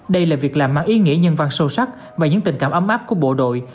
đây là việc làm mang ý nghĩa nhân văn sâu sắc và những tình cảm ấm áp của bộ đội